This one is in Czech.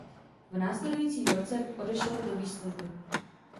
V následujícím roce odešel do výslužby.